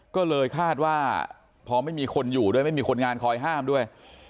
ก็เลยคาดว่าพอไม่มีคนอยู่ด้วยไม่มีคนงานคอยห้ามด้วย